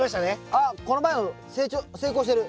あっこの前の成功してる。